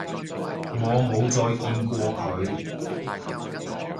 我冇再見過佢